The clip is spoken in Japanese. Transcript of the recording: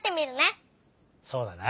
そうだな。